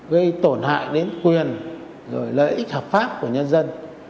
gây tổn hại đến quyền lợi ích hợp pháp của nhân dân